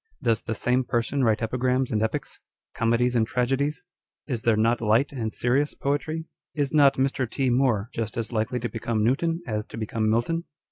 Does the same person write epi grams and epics, comedies and tragedies ? Is there not light and serious poetry ? Is not Mr. T. Moore just as likely to become Newton as to become Milton